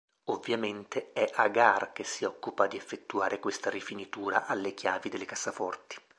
Ovviamente è Agar che si occupa di effettuare questa rifinitura alle chiavi delle casseforti.